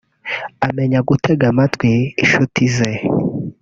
amenya gutega amatwi incuti ze